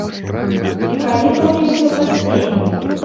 І калі толькі ўсё паспелі?